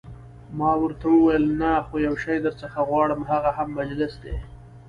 ما ورته وویل: نه، خو یو شی درڅخه غواړم، هغه هم مجلس دی.